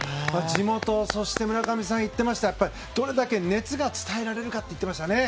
地元で、そして村上さんも言っていましたがどれだけ熱が伝えられるかって言ってましたね。